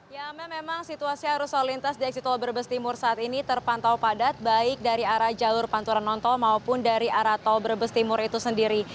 ya memang situasi arus lalu lintas di eksit tol brebes timur saat ini terpantau padat baik dari arah jalur pantura nontol maupun dari arah tol brebes timur itu sendiri